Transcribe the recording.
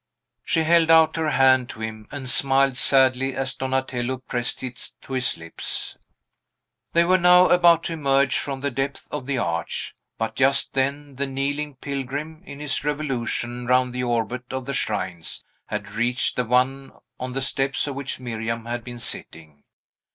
She held out her hand to him, and smiled sadly as Donatello pressed it to his lips. They were now about to emerge from the depth of the arch; but just then the kneeling pilgrim, in his revolution round the orbit of the shrines, had reached the one on the steps of which Miriam had been sitting.